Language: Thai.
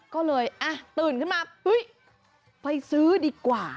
ก็เลยตื่นขึ้นมาไปซื้อดีกว่า